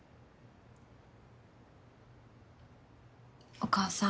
お母さん。